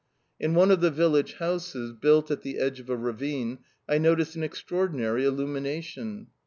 In one of the village houses, built at the edge of a ravine, I noticed an extraordinary illumination.